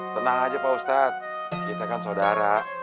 tenang aja pak ustadz kita kan saudara